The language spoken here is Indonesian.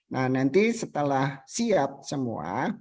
nah nanti setelah siap semua